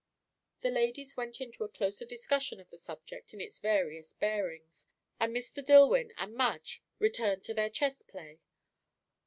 The ladies went into a closer discussion of the subject in its various bearings; and Mr. Dillwyn and Madge returned to their chess play.